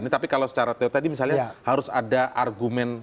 tapi kalau secara teo tadi misalnya harus ada argumen